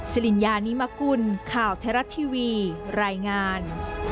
สิริญญานิมกุลข่าวไทยรัฐทีวีรายงาน